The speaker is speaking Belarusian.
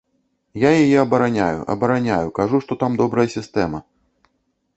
А я яе абараняю, абараняю, кажу, што там добрая сістэма.